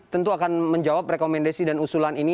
tentu akan menjawab rekomendasi dan usulan ini